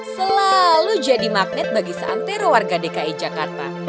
selalu jadi magnet bagi santero warga dki jakarta